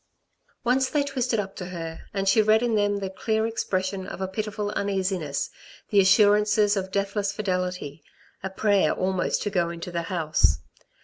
Once they twisted up to her and she read in them the clear expression of a pitiful uneasiness, the assurance of deathless fidelity, a prayer almost to go into the house.